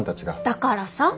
だからさ。